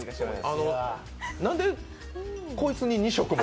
なんで、こいつに２食も？